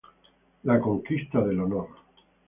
La Conquista Del Honor